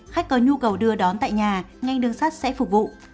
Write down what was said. khách có nhu cầu đưa đón tại nhà ngành đường sắt sẽ phục vụ